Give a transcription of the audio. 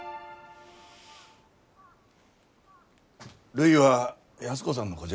るいは安子さんの子じゃ。